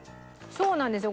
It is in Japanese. そうなんですよ。